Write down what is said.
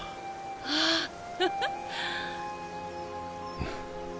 わあフフ。